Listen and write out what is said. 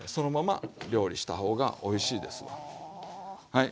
はい。